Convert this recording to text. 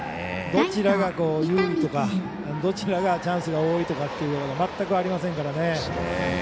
どちらが有利とかどちらがチャンスが多いとかいうのが全くありませんので。